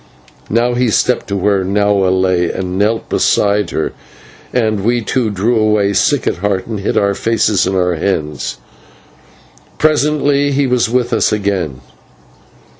Now he stepped to where Nahua lay, and knelt beside her, and we two drew away sick at heart and hid our faces in our hands. Presently he was with us again.